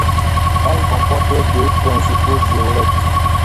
Elle comporte deux principaux géolectes.